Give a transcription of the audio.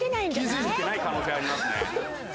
気づいてない可能性ありますね